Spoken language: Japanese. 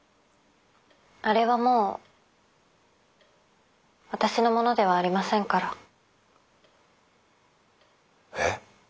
あれはもう私のものではありませんから。え？